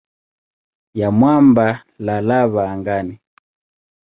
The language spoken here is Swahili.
ya mwamba na lava angani.